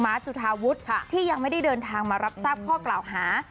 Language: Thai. จุธาวุฒิที่ยังไม่ได้เดินทางมารับทราบข้อกล่าวหา